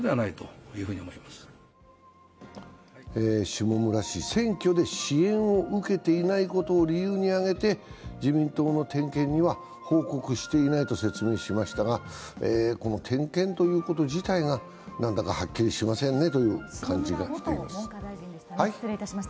下村氏は、選挙で支援を受けていないことを理由に挙げて自民党の点検には報告していないと説明しましたがこの点検ということ自体が何だかはっきりしませんね。